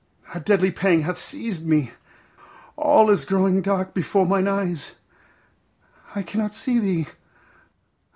a deadly pang hath seized me. All grows dark before mine eyes. I cannot see thee.